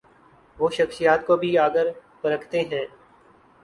وہ شخصیات کو بھی اگر پرکھتے ہیں۔